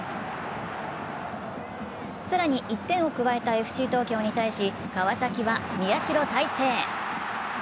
更に１点を加えたＦＣ東京に対し川崎は宮代大聖。